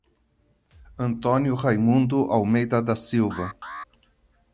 Antônio Raimundo Almeida da Silva